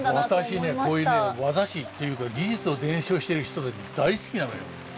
私ねこういうね業師っていうか技術を伝承してる人大好きなのよ。